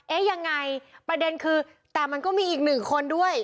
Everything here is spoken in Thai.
เอ๊ะยังไงประเด็นคือแต่มันก็มีอีกหนึ่งคนด้วย